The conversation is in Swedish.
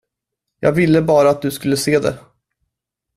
Jag ville bara att du skulle se det.